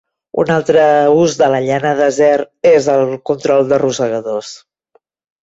Un altre ús de la llana d'acer és el control de rosegadors.